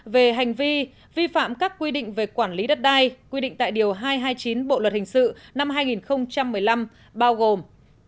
về hành vi vi phạm các quy định về quản lý đất đai quy định tại điều hai trăm hai mươi chín bộ luật hình sự năm hai nghìn một mươi năm bao gồm